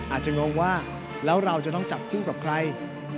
งงว่าแล้วเราจะต้องจับคู่กับใคร